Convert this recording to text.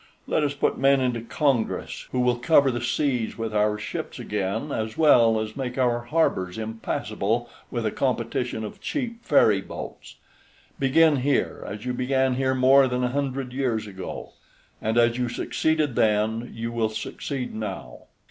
Let us put men into Congress who will cover the seas with our ships again, as well as make our harbors impassable with a competition of cheap ferry boats. Begin here, as you began here more than a hundred years ago, and as you succeeded then you will succeed now.